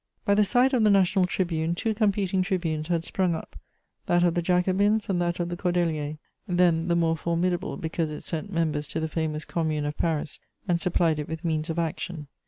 * By the side of the national tribune, two competing tribunes had sprung up: that of the Jacobins and that of the Cordeliers, then the more formidable because it sent members to the famous Commune of Paris and supplied it with means of action.